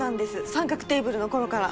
『三角テーブル』のころから。